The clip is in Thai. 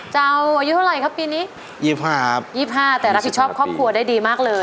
อายุเท่าไหร่ครับปีนี้๒๕ครับ๒๕แต่รับผิดชอบครอบครัวได้ดีมากเลย